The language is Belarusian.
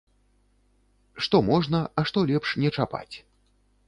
Што можна, а што лепш не чапаць.